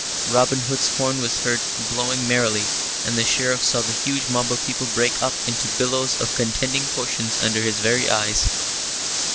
Robin Hood's horn was heard blowing merrily, and the Sheriff saw the huge mob of people break up into billows of contending portions under his very eyes.